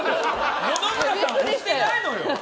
野々村さん、押してないのよ。